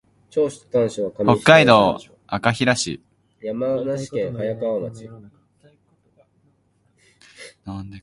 北海道赤平市